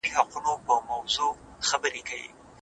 سیاستوال د بیان ازادۍ لپاره څه کوي؟